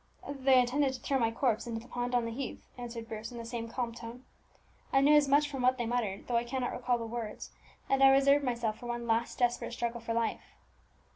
"They intended to throw my corpse into the pond on the heath," answered Bruce in the same calm tone. "I knew as much from what they muttered, though I cannot recall the words; and I reserved myself for one last desperate struggle for life.